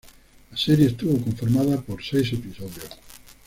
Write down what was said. La serie estuvo conformada por seis episodios.